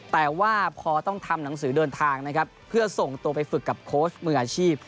แต่ว่าพอต้องทำหนังสือเดินทางนะครับเพื่อส่งตัวไปฝึกกับโค้ชมืออาชีพ